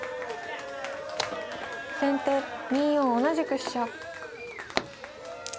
先手２四同じく飛車。